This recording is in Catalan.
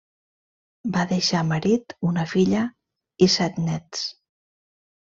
Va deixar marit, una filla i set néts.